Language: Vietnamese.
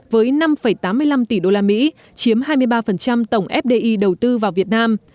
với năm tám mươi năm tỷ đô la mỹ chiếm hai mươi ba tổng fdi đầu tư vào việt nam